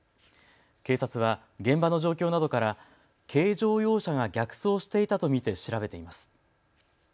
警察は現場の状況などから軽乗用車が逆走していたと見て調べています。